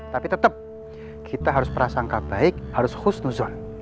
tapi tetap kita harus prasangka baik harus khusnuzon